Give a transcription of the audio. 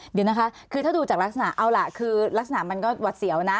เดี๋ยวนะคะคือถ้าดูจากลักษณะเอาล่ะคือลักษณะมันก็หวัดเสียวนะ